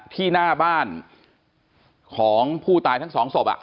ที่หน้าบ้านของผู้ตายทั้งสองศพ